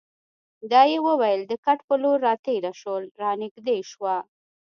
دا یې وویل او د کټ په لور راتېره شول، را نږدې شوه.